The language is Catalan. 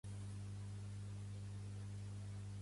He sentit a dir que Palma és molt bonic.